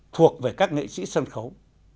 thuộc về các nghệ sĩ sân khấu